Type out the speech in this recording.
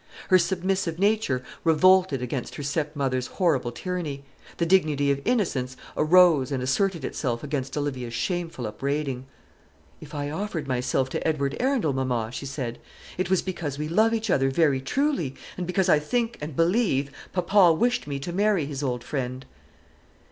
Her submissive nature revolted against her stepmother's horrible tyranny. The dignity of innocence arose and asserted itself against Olivia's shameful upbraiding. "If I offered myself to Edward Arundel, mamma," she said, "it was because we love each other very truly, and because I think and believe papa wished me to marry his old friend."